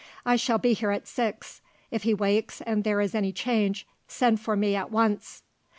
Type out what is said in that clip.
I shall be here at six. If he wakes, and there is any change, send for me at once."